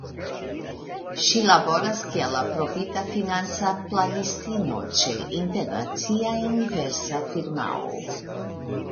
Ŝi laboras kiel Aprobita Financa Planistino ĉe internacia inversa firmao.